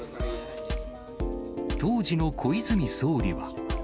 当時の小泉総理は。